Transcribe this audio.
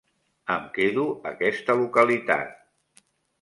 Em quedo aquesta localitat.